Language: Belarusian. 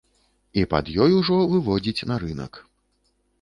І пад ёй ужо выводзіць на рынак.